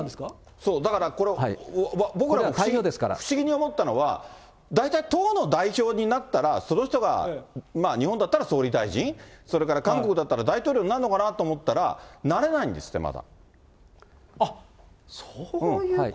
そう、だから僕らも不思議に思ったのは、大体、党の代表になったら、その人が日本だったら総理大臣、それから韓国だったら大統領になるのかなと思ったら、なれないんあっ、そういうこと。